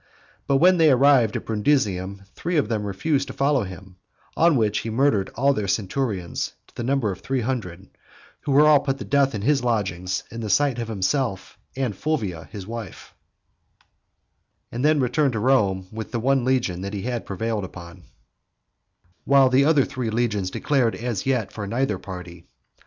But when they arrived at Brundusium three of them refused to follow him, on which he murdered all their centurions, to the number of three hundred, who were all put to death in his lodgings, in the sight of himself and Fulvia his wife, and then returned to Rome with the one legion which he had prevailed on; while the other three legions declared as yet for neither party.